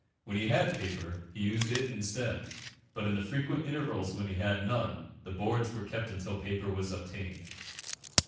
When he had paper, he used it instead; but in the frequent intervals when he had none, the boards were kept until paper was obtained.